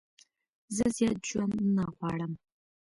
زه زیات ژوند نه غواړم.